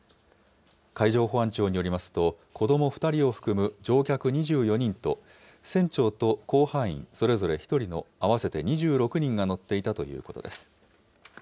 海上保安庁によりますと、子ども２人を含む乗客２４人と、船長と甲板員それぞれ１人の合わせて２６人が乗っていたということです。